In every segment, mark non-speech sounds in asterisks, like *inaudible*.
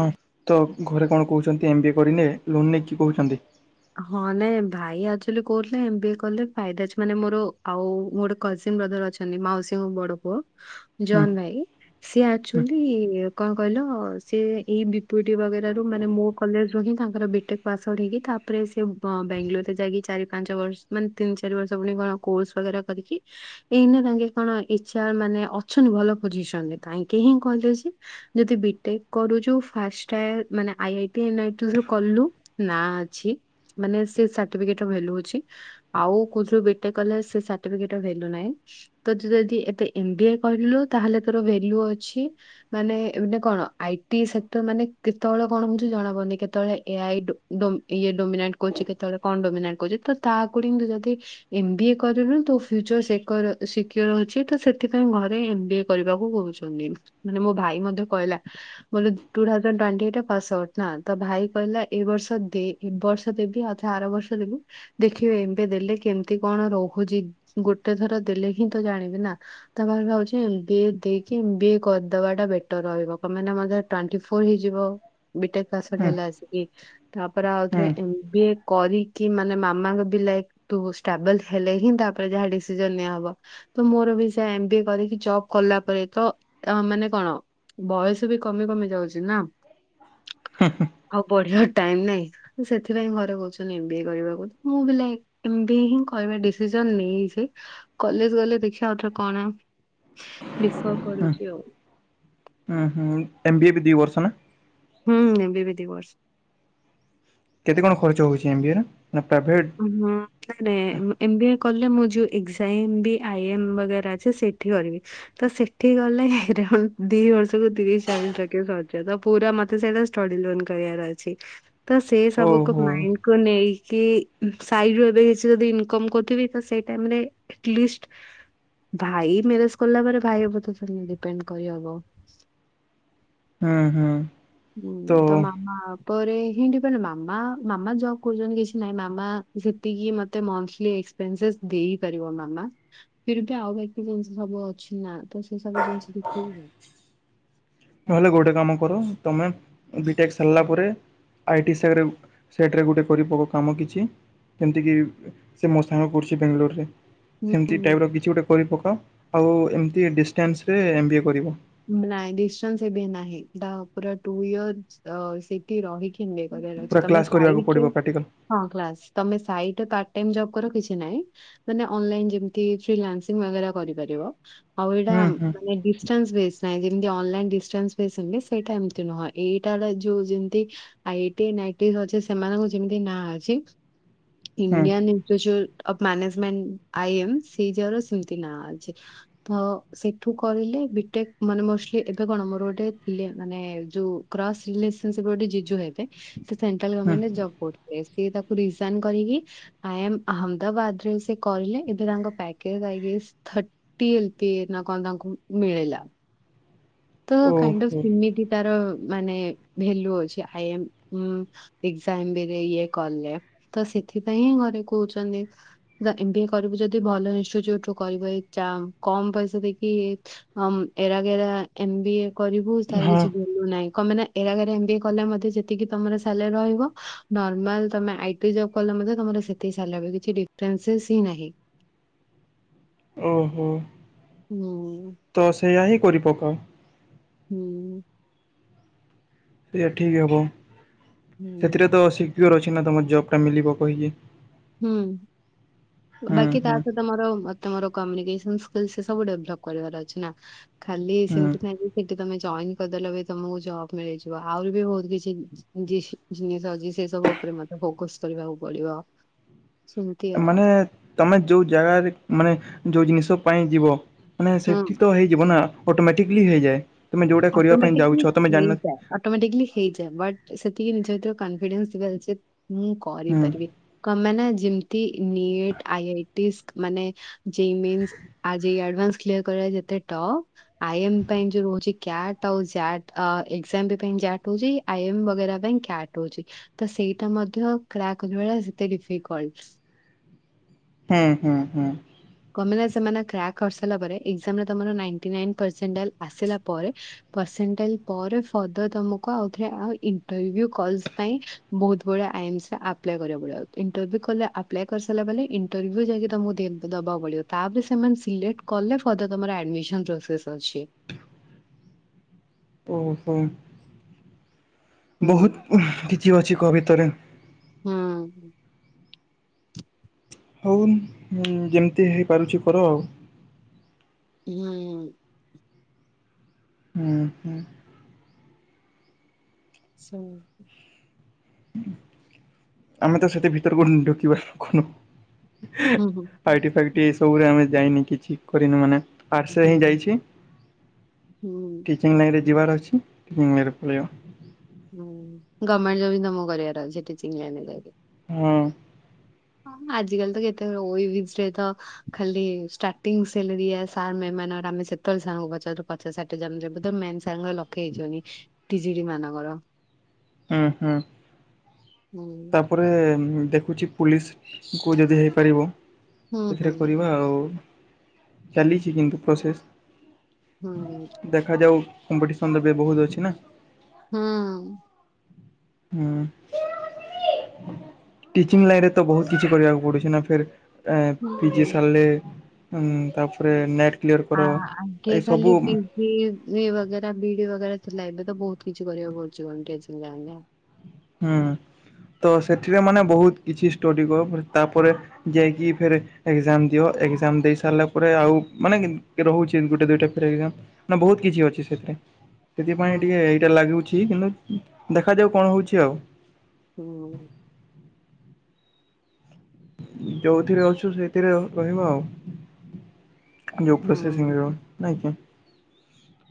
ହଁ ତ ଘରେ କଣ କହୁଛନ୍ତି ଏମ ବି ଏ କରିନେ ଲୋନ ନେଇକି କହୁଛନ୍ତି। ହଁ ନାଇଁ ଭାଇ ଆଚୁ କହୁଥିଲେ ଏ ବି କଲେ ଫାଇା ଅଛି ମାନେ ମୋର ଆଉୋ ଗୋଟେ କଜି ବର ଅ। ଛନ୍ତି ମାଉସୀଙ୍କୁ ବଡ ପୁଅ। ହୁଁ ଜନ ଭାଇ ସି ହୁଁ ଆକ୍ଚୁଆଲି କଣ କହିଲ ସେ ଏଇ ଦୁଇଟି ବ ମାନେ ମୋ କଲେଜରୁ ହିଁ ତାଙ୍କରଟେ ପାସ୍ ଆ ହେଇକି। ତାପରେ ସେ ବଙ୍ଗାଲୋରରେ ଯାଇକି ଚାରି ପାଞ୍ଚ ବର୍ଷ ମାନେ ତିନି ଚାରି ବର୍ଷ ପୁଣିଣ କୋର୍ସରା କରିକି। ଏଇନ ତାଙ୍କେ କଣ ଇଛା ମାନେ ଅଛନ୍ତି ଭଲ ପୋଜିସନରେ ତାକେ ହିଁ କହିଲେ। ଯଦି ବିଟେକ୍ କରୁଛୁାନେଇ କୁ। ନା ଅଛି ମାନେ ସେ ସଫିକେଟ ଭଲୁ ଅଛି। ଆଉ କୋ କଲେ ଭଲହିଁ। ତ ଯଦି ଏତେ ଏମ ଡି ଏ କହିଲୁ ତାହେଲେ ତୋର ଭେଲ୍ୟୁ ଅଛି। ମାନେ କଣ ଆଇଟି ସେକ୍ଟର ମାନେ କେତେବେଳେ କଣ ବୁଛ ଜଣା ପଡନ୍ତି କେତେବେଳେ ଏ ଆଇ ଇଏ ଡୋମିନେଟ୍ କହୁଛି କେତେବେଳେ କଣଡମିନେଟ କହୁଛି ତ ତାକୁ ଯଦି। ଏମବଏ କରନୁ ତୋ ଫ୍ୟୁଚର ସିକ୍ୟୋର ଅଛି ତ ସେଥିପାଇଁ ଘରେ ଏମବଏ। କରିବାକୁ କହୁଛନ୍ତି ମାନେ ମୋ ଭାଇ ମଧ୍ୟ କହିଲା। *unintelligible* ତା ଭାଇ କହିଲା ଏ ବର୍ଷ ଦେ। ଏ ବର୍ଷ ଦେବି ଆଉଥ ଆର ବର୍ଷ ଦେବୁ। ଦେଖିବେ ଏବେ ଦେଲେ କେମିତି କଣ ରହୁଚି ଗୋଟେ ଥର ଦେଲେ ହିଁ ତ ଜାଣିବି ନା। ତାପରେ ଭାବୁଛି ବି ଏ ଦେଇକି ବି ଏ କରିଦବା ଟା ବେଟର ରହିବ *unintelligible* ଟୁ୍ୱେଣ୍ଟି ଫୋର ହେଇଯିବ ବି ଟେକ ପାସ ଆଉଟ ହୁଁ ହେଲା ଆସିକି ତାପରେ ଆଉ ହୁଁ ଥରେ ଏମ୍ ବିଏ କରିକି ମାନେ ମାମା ବି ଲାଇକ୍ ତୁ ଷ୍ଟାବେଲ ହେଲେ ହିଁ ତା ପରେ ଯାହା ଡିସିସନ୍ ନିଆହବ। ତ ମୋର ବି ସେ ଏମ୍ ବି ଏ କରିକି ଜବ୍ କଲା ପରେ ତ ଅ ମାନେ କଣ। ବୟସ ବି କମି କମି ଯାଉଛି ନା ଆଉ ବଢିବା ଟାଇମ୍ ନାଇଁ। ସେଥିପାଇଁ ଘରେ କହୁଛନ୍ତି ଏମ୍ ବି ଏ କରିବାକୁ ମୁଁ ବି ଲାଇକ୍ ଏମ୍ ବି ଏ ହିଁ କରେ ଡିସିସନ୍ ନେଇଛି, କଲେଜ ଗଲେ ଦେଖିବା ଆଉଥରେ କଣ ଡିଫଗ ହୁଁ କରୁଛି ଆଉ। ହୁଁ ହୁଁ ଏମ୍ ବିି ଏ ବି ଦି ବର୍ଷ ନା? ହୁଁ ଏମ୍ ବିି ଏ ବି ଦି ବର୍ଷ। କେତେ କଣ ଖର୍ଚ୍ଚ ହଉଛି ଏମ୍ ବି ଏ ରେ ନା ପ୍ରାଇଭେଟ। ହୁଁ। ନାଇ ନାଇଁ ଏମ୍ ବି ଏ କଲେ ମୁଁ ଯୋଉ ଏକଜାଇମ୍ ବି ଆଇ ଏମ୍ ବଗେରା ଅଛି ସେଠି କରିବି। ତ ସେଠି ଗଲେ ଅରାଉଣ୍ଡ ଦି ବର୍ଷକୁ ତିରିଶ ଚାଳିଶ ଲକ୍ଷ ସରଯିବ ତ ପୁରା ମତେ ସେଇଟା ଷ୍ଟଡିଲୋନ କରିବାର ଅଛି, ତ ସେ ସବୁ ଓହୋ କୁ ମାଇଣ୍ଡ କୁ ନେଇକି। ସାଇଡୁ ରୁ ଏବେ କିଛି ଯଦି ଇନ୍ କମ୍ କରୁଥିବି ତ ସେଇ ଟାଇମ୍ ରେ ଆଟ୍ ଲିଷ୍ଟ। ଭାଇ ମ୍ୟାରେଜ କଲା ପରେ ଭାଇ ଉପରେ *unintelligible* ଡିପେଣ୍ଡ କରିହବ। ହୁଁ ହୁଁ। ହୁଁ ତ ମାମା। ଘରେ ହିଁ ଇଣ୍ଡିପେନ୍ ମାମା, ମାମା ଯୋବ କରୁଛନ୍ତି କିଛି ନାହିଁ ମାମା ଯେତିକି ମତେ ମନ୍ଥଲି ପେନସେସ୍ ଦେଇ ପାରିବ ମାମା। ଫିର ବି ଆଉ *unintelligible* ସବୁ ଅଛି ନା, ତ ସେ ସବୁ ଜିନିଷ ଦେଖିବୁ। ନହେଲେ ଗୋଟେ କାମ କର ତମେ ବିଟେକ୍ ସାରିଲା ପରେ। ଆଇ ଟି ସେରେମ୍ ସେଥିରେ ଗୋଟେ କରି ପକ କାମ କିଛି ଯେମିତିକି। ସେ ମୋ ସାଙ୍ଗ ପଢୁଛି ବାଙ୍ଗାଲୋର ରେ। ଏମତି ହୁଁ ଟାଇପ୍ ର କିଛି ଗୋଟେ କରି ପକାଅ, ଆଉ ଏମତି ଡିଷ୍ଟାନ୍ସ ରେ ଏମ୍ ବି ଏ କରିବ। ନାଇଁ ଡିଷ୍ଟାନ୍ସ ଏମ୍ ବି ଏ ନାହିଁ ବା ପୁରା ଟୁ ଇୟର୍ ଅ ସେଠି ରହି ଏମ୍ ବି ଏ କରିବାର୍ ଅଛି ପୁରା ତମେ କ୍ଲାସ୍ କରିବାକୁ ସାଇଟ୍ ରେ ପଡ଼ିବ ପ୍ରାକ୍ଟିକାଲ୍ ହଁ କ୍ଲାସ୍ ତମେ ସାଇଟ୍ ରେ ପାର୍ଟ ଟାଇମ୍ ଜବ୍ କର କିଛି ନାଇଁ। ମାନେ ଅନଲାଇନ ଯେମତି ଫିଲାନକ୍ସ୍ ମଗେରା କରିପାରିବ, ଆଉ ଏଇଟା ହୁଁ ହୁଁ। ମାନେ ଡିଷ୍ଟାନ୍ସ ବେସ୍। ନାଇ ଯେମତି ଅନଲାଇନ ଡିଷ୍ଟାନ୍ସ ବେସିକ୍ ରେ ସେଇଟା ଏମତି ନୁହଁ, ଏଇଟା ଡା ଯୋଉ ଯେମତି। ଆଇ ଟି ନାଇ ଟି ର ଅଛି ସେମାନଙ୍କ ଯେମିତି ନାଁ ଅଛି ହୁଁ Indian institute of management I M C G year ସେମତି ନାଁ ଅଛି। ଫ ସେଠୁ କରିଲେ ବିଟେକ୍। ମାନେ ମଷ୍ଟ ଲି ଏବେ କଣ ମୋର ଗୋଟେ ଥିଲେ ମାନେ ଯୋଉ କ୍ରସ୍ ରିଲେସନ୍ ସିପ୍ ଗୋଟେ ଜିଜୁ ହେବେ। ସେ ସେଣ୍ଟ୍ରାଲ ହୁଁ ଗମେଣ୍ଟ ରେ ଜବ୍ କରୁଥିଲେ ସିଏ ତାକୁ ରିଜାଇନ୍ କରିକି। ଆଇ ଆମ୍ ଅହମଦାବାଦରେ ସେ କରିଲେ ଏବେ ତାଙ୍କ package I guess that T L PA ନା କଣ ତାଙ୍କୁ ମିଳିଲା। ତ କାଇଣ୍ଡ ଅପ୍ ଓହୋ ସିମିତି ତାର ମାନେ ଭେଲୁ ଅଛି ଆଇ ଆମ୍ ଉମ୍ ଏଜାଆଇମ୍ ବିରେ ଇଏ କଲେ ତ ସେଥିପାଇଁ ଘରେ କହୁଛନ୍ତି। ଯା ଏମ୍ ବି ଏ କରିବୁ ଯଦି ଭଲ ଇନ୍‌ଷ୍ଟିଟ୍ୟୁଟ୍ ରୁ କରିବୁ ଏଇ ଚାମ୍ କମ ପଇସା ଦେଇକି। ହଁମ୍ ଏରା ଗେରା ଏମ୍ ବି ଏ କରିବୁ ତାର ହଁ କିଛି ଭେ ଏଲୁ ନାଇ କମିନା ଏରା ଗେରା ଏମ୍ ବି ଏ କଲେ ମଧ୍ୟ, ଯେତିକି ତମର ସାଲାରି ରହିବ ନର୍ମାଲ ଆଇ ଟି ଜ ଅପ୍ କଲେ ମଧ୍ୟ ତମର ସେତିକି ସାଲାରି, କିଛି ଡିଫରେନ୍ସ ସ୍ ହିଁ ନାହିଁ। ଓ ହୋ। ନ ତ ସେଇୟା ହିଁ କରିପକାଅ। ହୁଁ ମ୍। ସେଇଆ ଠିକ୍ ହବ। ହୁଁ ସେଥିରେ ତ ସିକ୍ୟୁର୍ ଅଛି ନା ତମ ଜବ୍ ଟା ମିଲିିବ କହିକି। ହୁଁ ହୁଁ ବାକି ତା ହୁଁ ସହିତ ମୋର ତମର କମ୍ୟୁନିକସ ସ୍କୁଲ ସବୁ ଡେଭଲପ କରିବାର ଅଛି ନା ଖାଲି ସେମିତି ନାଇ ହୁଁ। ଯେ ସେଠି ତମେ ଜଏନ କରିଦେଲେ ବି ତମକୁ ଜବ୍ ମିଳିଯିବ ଆହୁରି ବି ବହୁତ କିଛି ଜିନିଷ ଅଛି ସେ ସବୁ ଉପରେ ମତେ ଫୋକସ କରିବାକୁ ପଡିବ। ସେମିତି ଆଉ ମାନେ ତମେ ଯୋଉ ଜାଗା ମାନେ ଯୋଉ ଜିନିଷ ପାଇଁ ଯିବ ମାନେ ହୁଁ। ସେଠି ତ ହେଇଯିବ ନା ଅଟୋମେଟିକଲି ହେଇଯଏ ତମେ ଯୋଉଟା କରିବା ପାଇଁ ଯାଉଛ ତମେ ଜାନ ଅଟୋମଟିକଲି ହେଇଯାଏ ବଟ୍ ସେତିକି ନିଜ ଭିତରେ କନଫିଡେନ୍ସ ମୁଁ ହୁଁ କରିପାରିବି କଣ ପାଇଁ ନା ଯେମତି ନୀଟ ଆଇ ଆଇ ଟି ସ୍କ୍ ମାନେ ଜେ ଇ ମିନସ୍ ଆଜି ଆଡଭାନ୍ସ କ୍ୟର କରିବା ଯେତେ ଟପ୍ ଆଇ ଏମ୍ ପାଇଁ ଯୋଉ ରହୁଛି କ୍ୟାଟ ଆଉ ଜ୍ ଏକ୍ସାମ ଟ ହଉଛି ଆଇ ଏମ ବାଗେରା ପାଇଁ କ୍ୟାଟ ହଉଛି। ତ ସେଇଟା ମଧ୍ୟ କ୍ରାକ୍ କରିବାଟା ସେତେ ଡିଫିକଲଟ ହଁ ହଁ ହଁ କମେ ସେମାନେ କ୍ରାକ୍ କରିସିଲା ପରେ ଏକ୍ସାମରେ ତମର ନିଣ୍ଟୀ ନାଇନି ଆସିଲା ପରେ ପରେ ପର୍ସେଣ୍ଟାଇଲ୍ ପରଦର ତମକୁ ଆଉରେ ଇଣ୍ଟର ଭିଉ କଲ୍ସ ପାଇଁ ବହୁତ ଭଆ ଆପ୍ଲାଏ କରିବା ଇଣ୍ଲେପ୍ କରିସାରିଲା ବଲେ ଯାଇକ ଦବାକୁ ପଡିବ ତାପରେ ସେମାନେ ସିଲେକ୍ଟ କଲେ ଫର୍ଥିର ତମର ଆଡମିଶନ୍ ପ୍ରୋସେସ ଅଛି ଓହୋ ହୁଁ ବହୁତ କିଛି ଅଛି କବିତରେ ହୁଁ ହଉ ଯେମିତି ହେଇପାରୁଛି କର ଆଉ ହୁଁ ହଁ ହୁଁ ସ ଆମେ ତ ସେତ ଭିତରକୁୁ ଢୁକିିବା କୁ ନୁହଁ ହୁଁ ହୁଁ ଫାଇ ଫଟି ଏ ସବୁରେ ଆମେ ଯାଇନି କିଛି କରିନୁ ମାନେ ଆର୍ସ ହୁଁ ହିଁ ଯାଇଛି ହୁଁ ଠିକ ଚିକିଙ୍ଗ ଲାଇରେ ଯିବାର ଅଛି ପଳେଇବ। ହୁଁ ଗଭର୍ମେଣ୍ଟ ଜବ ତ ମୁଁ କରିବାର ଅଛି ଟିଚିଁ ଲାଇନ ରେ ଯାଇକି ହଁ ହ ଆଜି କାଲି ତ କେତେ ରହି ତ ଖାଲି ଷ୍ଟାର୍ଟିଂ ସଲେରି ସାର୍ ମାମ ମାନଙ୍କର ସେତେବେଳେ ସାର୍ ଙ୍କୁ ପଚରୁ ଆଛାଠ ଜ ତ ମେ ସାଙ୍ଗର ଲକ୍ଷେ ହେଇଯାଉନ ତିଜିଡି ମାନଙ୍କର ହୁଁ ହୁଁ ହୁଁ ତାପରେ ତାରେ ଦେଖୁଛି ପୁଲିସକୁ ଯଦି ହେଇପାରିବ ହୁଁ ହୁଁ ସେଥିରେ କରିବା ଆଉ ଚାଲିଛି କିନ୍ତୁ ପ୍ରୋସେସ- ହୁଁ ଦେଖାଯାଉ କମ୍ପିଟିସନ ବି ବହୁତ ଅଛି ନା ହଁ। ହୁଁ, ଟିଚିଂ ଲାଇନ୍ ରେ ତ ବହୁତ କିଛି କରିବାକୁ ପଡୁଛି ନା, ଫେରେ ଏଁ, ପିଜେ ହୁଁ। ସାରଲେ ଉଁ, ତାପରେ ନେଟ୍ କ୍ଲିଅର୍ କର ଏଇସବୁ *unintelligible* ଏ ବଗେରା ବିଡି ବଗେରା ଥିଲା ଏବେ ତ ବହୁତ କିଛି କରିବାକୁ ପଡୁଛି *unintelligible* ହୁଁ, ତ ସେଥିରେ ମାନେ ବହୁତ କିଛି ଷ୍ଟୋଡି କ ପଡେ, ତାପରେ ଯାଇକି ଫେରେ ଏକ୍ଜାମ୍ ଦିଅ, ଏକ୍ଜାମ୍ ଦେଇ ସାରିଲା ପରେ ଆଉ ମାନେ କି- କେ- ରହୁଛି ଗୋଟେ ଦୁଇଟା ଫେରେ ଏକ୍ଜାମ୍। ନା ବହୁତ କିଛି ଅଛି ସେଥିରେ। ସେଥିପାଇଁ ହୁଁ ଟିକେ ଏଇଟା ଲାଗୁଛି, କିନ୍ତୁ ଦେଖାଯାଉ କଣ ହଉଛି ଆଉ। *inaudible* ଯୋଉଥିରେ ଅଛୁ ସେଇଥିରେ ରହିବ ଆଉ। ଯୋଉ ହୁଁ ପ୍ରୋସେସ୍ ମିଳିବ ନାଇଁ କି?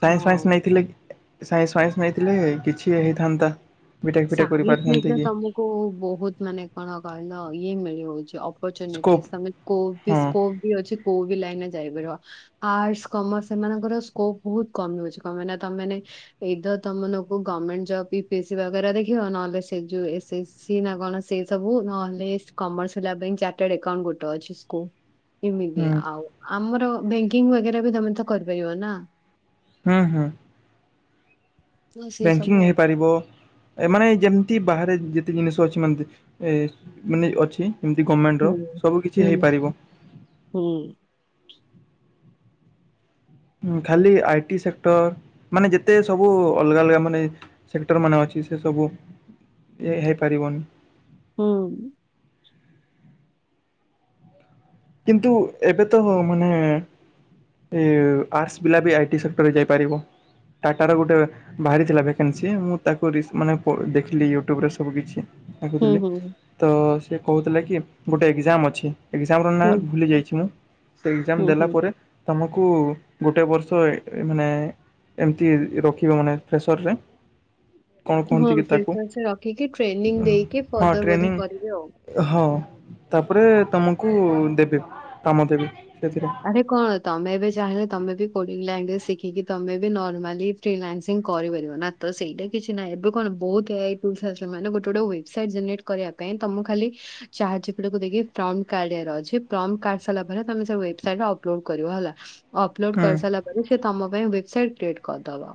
ସାଇନ୍ସ ହଁ। ଫାଇନ୍ସ ନେଇଥିଲେ, ସାଇନ୍ସ ଫାଇନ୍ସ ନେଇଥିଲେ କିଛି ହେଇଥାନ୍ତା। ବିିଟେକ୍ ଫିଟେକ୍ କରି ପାରିଥାନ୍ତି କି କୋ-ବହୁତ ମାନେ କଣ କହିଲ ଇଏ ମିଳି ହଉଛି ଅପ୍ ସ୍କୋପ୍ ପଚୁନିଟିସ୍ ତୋମେ ହଁ କୋପିସ୍ କୋ ବି ଅଛି କୋଉବି ଲାଇନ୍ ଯାଇପାରିବ। ଆର୍ଟସ୍ କମର୍ସ ସେମାନଙ୍କର ସ୍କୋପ୍ ବହୁତ କମୁଛି କଣ ପାଇଁ ନା ତୋମେ ମାନେ ଏଇଦର ତୋମମାନଙ୍କୁ ଗମେଣ୍ଟ ଜବ୍ ବି ପିସିବା ବେରା ଦେଖିବ ନହେଲେ ସେ ଯୋଉ ଏସ ଏସ ସି ନା କଣ ସେ ସବୁ ନହେଲେ କମର୍ସ ଲବିଂ ଚା ଟେଡ଼େ କଣ ଗୋଟେ ଅଛି ସ୍କୋ ଏମିତି, ହୁଁ ଆଉ ଆମର ବ୍ୟଙ୍କିଙ୍ଗ ବଗେରା ବି ତୋମେ ତ କରିପାରିବ ନା? ହଁ, ହଁ। ତ ସେ ବେଙ୍କିଙ୍ଗ ସବୁ ଆଉ। ହେଇପାରିବ। ଏ ମାନେ ଯେମିତି ବାହାରେ ଯେତେ ଜିନିଷ ଅଛି ମାନେ ଦେ-ଏ ମାନେ ଅଛି। ଏମିତି ଗମେଣ୍ଟର ହୁଁ ସବୁ କିଛି ହୁଁ ହେଇପାରିବ। ହୁଁ। ଅଁ, ଖାଲି ଆଇ ଟି ସେକ୍ଟର୍ ମାନେ ଯେତେ ସବୁ ଅଲଗା ଅଲଗା ମାନେ ସେକ୍ଟର୍ ମାନେ ଅଛି ସେ ସବୁ ଏ ହେଇପାରିବନି। ହୁଁ। କିନ୍ତୁ ଏବେ ତହୋ ମାନେ ଏ ଆର୍ଟସ୍ ପିଲା ବି ଆଇ ଟି ସେକ୍ଟରୂ ରେ ଯାଇପାରିବ। ଟାଟାର ଗୋଟେ ବାହାରିଥିଲା ଭ୍ୟାକେନ୍ସି ମୁଁ ତାକୁ ରିସ୍ ମାନେ ପ-ଦେଖିଲି ୟୁଟ୍ୟୁବରେ ସବୁ କିଛି। ହୁଁ ଦେଖିଥିଲି ହୁଁ ହୁଁ ତ ସେ କହୁଥିଲା କି ଗୋଟେ ଏକ୍ଜାମ୍ ଅଛି, ଏକ୍ଜାମ୍ କଣ ନା ହୁଁ ଭୁଲି ଯାଇଛି ମୁଁ ସେଇ ହୁଁ ଏକ୍ଜାମ୍ ଦେଲା ହୁଁ ପରେ ତୋମକୁ ଗୋଟେ ବର୍ଷ ଏ ଏ ମାନେ ଏମିତି ରଖିବେ ମାନେ ଫ୍ରେସରରେ। ହଲ୍ ପ୍ରିଟେସେ ରେଖିକି ଟ୍ରେନିଂ ଦେଇକି ହଁ ଫର୍ଦର୍ ଟ୍ରେନିଂ ବୋଧେ କରିବେ ଆଉ। ହଁ ତାପରେ ତୋମକୁ ଦେବେ କାମ ଦେବେ ସେଥିରେ। ଆରେ କଣ ତୋମେ ବି ଚାହିଁଲେ ତୋମେ ବି କୋଡ଼ିଂ ଲାଙ୍ଗୁଏଜ୍ ଶିଖିକି ତୋମେ ବି ନର୍ମାଲି ଫିଲାନ୍ସିଂ କରିପାରିବ ନା। ତ ସେଇଟା କିଛି ନାହିଁ, ଏବେ କଣ ବହୁତ ଏଆଇ ଟୁଲ୍ସ ଆସିବ ମାନେ ଗୋଟେ ଗୋଟେ ୱେବ୍ସାଇଟ୍ ଜେନେରେଟ୍ କରିବା ପାଇଁ ତୋମକୁ ଖାଲି ଚାଟ୍ ଜିପିଟିକୁ ଦେଖି ପ୍ରମ୍ କାଢିବାର ଅଛି, ପ୍ରମ୍ କାଢ଼ିସାରିଲା ପରେ ତୋମେ ସବୁ ଏ ସାଇଲେ ଅପଲୋଡ୍ କରିବ ହେଲା, ଅପଲୋଡ଼୍ ହୁଁ କରିସାରିଲା ପରେ ସେ ତୋମ ପାଇଁ ୱେବ୍ସାଇଟ୍ କ୍ରିଏଟ୍ କରିଦବ।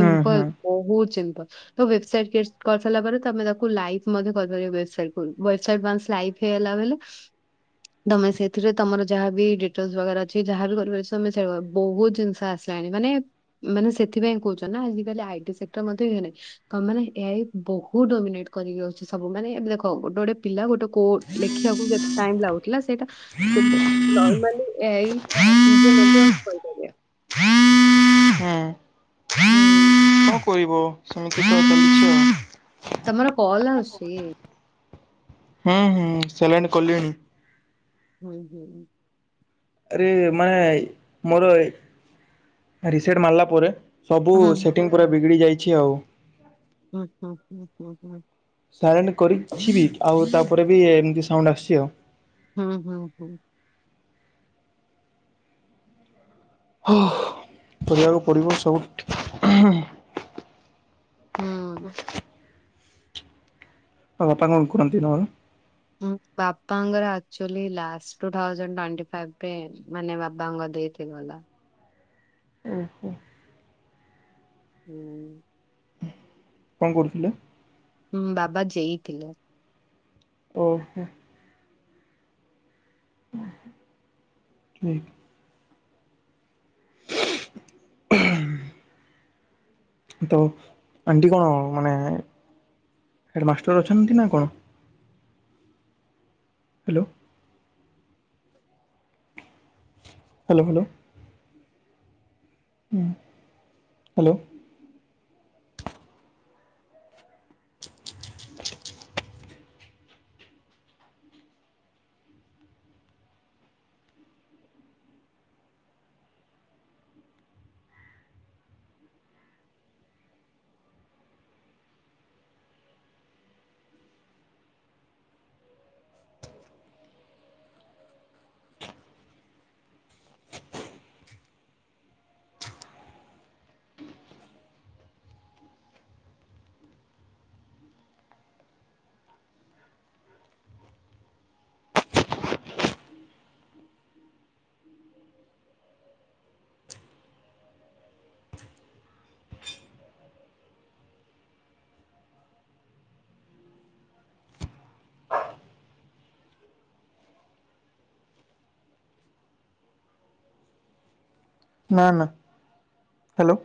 ହୁଁ ହୁଁ ବହୁତ ସିମ୍ପଲ୍। ତ ୱବସାଇଟ୍ କ୍ରିଏଟ୍ କରିସାରିଲ ପରେ ତୋମେ ତାକୁ ଲାଇଭ୍ ମଧ୍ୟ କରିପାରିବ ୱେବସାଇଟ ଖୁଲ, ୱେବସାଇଟ୍ ୱାନସ୍ ଲାଇଭ୍ ହେଇଗଲା *unintelligible* ତୋମେ ସେଇଥିରେ ତମର ଯାହାବ ବି ଡିଟେଲ ବଗେରା ଅଛି ଯାହାର ବି କରିପାରିବା ର ଅଛି ତମେ ସେ ବହୁତ ଜିନିଷ ଆସିଲାଣି ମାନେ ମାନେ ସେଥିପାଇଁ କହୁଛ ନା ଆଜିକାଲି ଆଇ ଟି ସେକ୍ଟର ମଧ୍ୟ ଇଏ ହେଲାଣି। କ ମାନେ ଏ ଆଇ ବହୁତ ଡୋମିନେଟ କରିକି ଅଛି ସବୁ ମାନେ ଏବେ ଦେଖ ଗୋଟେ ଗୋଟେ ପିଲା ଗୋଟେ କୋ ଲେଖିବାକୁ କେତେ ଟାଇମ ଲାଗୁଥିଲା ସେଇଟା ସେଥିପାଇଁ ନର୍ମାଲି ଏ ଆଇ ନିଜେ ମଧ୍ୟ କରିପାରିବେ। ହଁ। ହୁଁ। କଣ କରିବ ସେମିତି ତ ଚାଲିଛି ଆଉ। ତମର କଲ ଆସୁଛି। ହୁଁ ହୁଁ ସେ ଲାଣି କଲ୍ୟାଣୀ। ହୁଁ ହୁଁ। ଆରେ ମାନେ ମୋର ରିସେଟ ମାରିଲା ପରେ ସବୁ ବାପାଙ୍କର ସେଟିଂ ପୁରା ବିଗିଡି ଯାଇଛି ଆଉ। ହୁଁ ହୁଁ ହୁଁ ହୁଁ ହୁଁ। ସାଇଲେଣ୍ଟ କରିଛିି ବି ଆଉ ତାପରେ ବି ଇଏ ଏମିତି ସାଉଣ୍ଡ ଆସଛି ଆଉ। ହୁଁ ହୁଁ ହୁଁ। କରିବାକୁ ପଡ଼ିବ ସବୁ ହୁଁ। ହୁଁ। ଆଉ ବାପା କଣ କରନ୍ତି ତମର? ବାପାଙ୍କର ଆକଚୁଆଲି ଲାଷ୍ଟ ଟୁଥାଉଯେଣ୍ଡଟୋନ୍ତିଫାଇବରେ ମାନେ ବାବଙ୍କ ଦେଥ ଏ ଗଲା। ଓହୋ। ହୁଁ। କଣ କରୁଥିଲେ। ହୁଁ ବାବା ଯେଇଁଥିଲେ। ଓହୋ। *unintelligible* *inaudible* ତ ଆଣ୍ଟି କଣ ମାନେ ହେଡ଼ମାଷ୍ଟର ଅଛନ୍ତି ନା କଣ? ହ୍ୟାଲୋ। Hello hello. ହୁଁ ହ୍ୟାଲୋ। *inaudible* ନା ନା ହ୍ୟାଲୋ।